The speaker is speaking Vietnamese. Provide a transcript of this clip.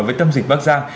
với tâm dịch bắc giang